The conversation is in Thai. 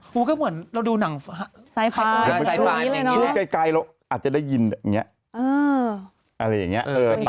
พวกมันก็เหมือนเราดูหนังไซฟาร์ใกล้เราอาจจะได้ยินแบบนี้